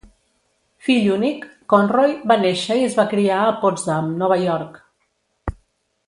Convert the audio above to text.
Fill únic, Conroy va néixer i es va criar a Potsdam, Nova York.